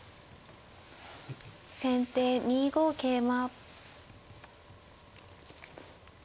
先手２五桂馬。